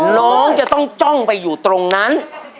น้องจะต้องจ้องไปอยู่ตรงนั้น